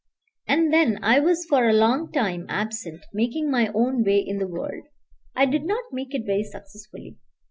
And then I was for a long time absent, making my own way in the world. I did not make it very successfully.